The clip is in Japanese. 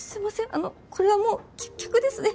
あのこれはもう客ですね。